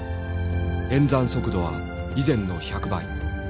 演算速度は以前の１００倍。